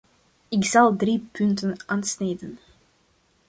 Ik zal drie punten aansnijden.